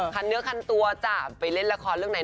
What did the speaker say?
คันเนื้อคันตัวอาจจะเล่นรักษาเรื่องไหน